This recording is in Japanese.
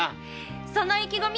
その意気込み！